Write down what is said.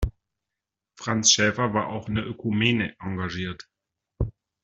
Franz Schäfer war auch in der Ökumene engagiert.